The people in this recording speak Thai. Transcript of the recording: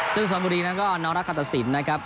ซึ่งชวนบุรีนั้นก็น้องรักษาตรศิลป์นะครับ